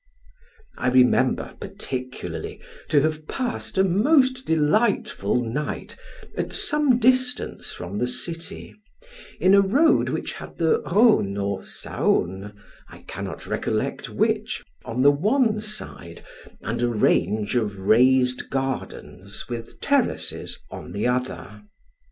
I remember, particularly, to have passed a most delightful night at some distance from the city, in a road which had the Rhone, or Soane, I cannot recollect which, on the one side, and a range of raised gardens, with terraces, on the other.